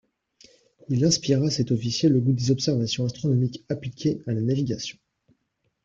Il inspira à cet officier le gout des observations astronomiques appliquées à la navigation.